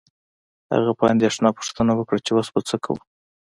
هغه په اندیښنه پوښتنه وکړه چې اوس به څه کوو